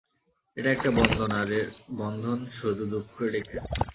এটা একটা বন্ধন, আর বন্ধন শুধুই দুঃখ ডেকে আনে।